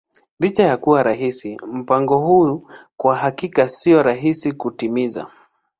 Licha ya kuwa halisi, mpango huu kwa hakika sio rahisi kutimiza.